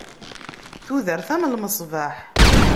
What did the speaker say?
Tudert am lmesbeḥ.